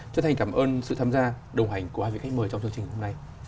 chân thành cảm ơn sự tham gia đồng hành của hai vị khách mời trong chương trình hôm nay